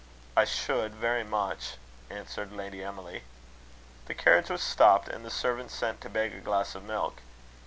"I should very much," answered Lady Emily. The carriage was stopped, and the servant sent to beg a glass of milk.